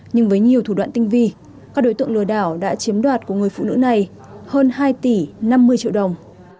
nhưng với nhiều thủ đoạn tinh vi các đối tượng lừa đảo đã chiếm đoạt của người phụ nữ này hơn hai tỷ năm mươi triệu đồng